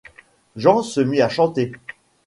Jean se mit à chanter.